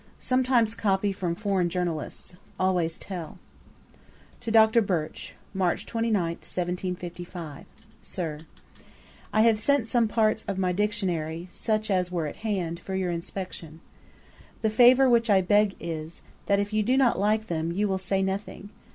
Sometimes copy from foreign Journalists. Always tell.' 'To DR. BIRCH. 'March 29, 1755. 'SIR, 'I have sent some parts of my Dictionary, such as were at hand, for your inspection. The favour which I beg is, that if you do not like them, you will say nothing.